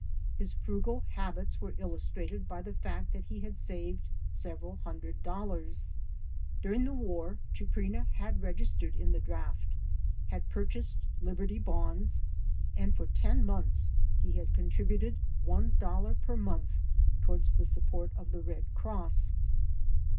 His frugal habits are illustrated by the fact {hat he had saved several hundred dollars. During the War Chuprina had registered in the Draft, had purchased Liberty Bonds and for ten months he had contributed $1.00 per month toward the support of the Red Cross.